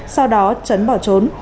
sau đó trấn bỏ trốn